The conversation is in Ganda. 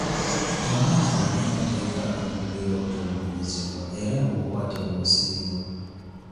Omwana alina amateeka agamukugira okutulugunyizibwa era bw'okwatibwa osibibwa.